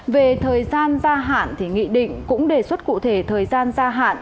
về thời gian gia hạn thì nghị định cũng đề xuất cụ thể thời gian gia hạn